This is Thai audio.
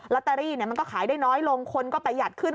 ตเตอรี่มันก็ขายได้น้อยลงคนก็ประหยัดขึ้น